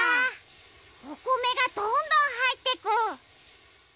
おこめがどんどんはいってく！